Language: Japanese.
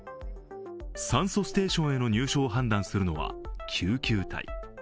酸素ステーションへの入所を判断するのは救急隊。